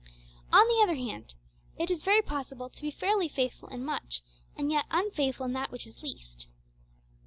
On the other hand, it is very possible to be fairly faithful in much, and yet unfaithful in that which is least.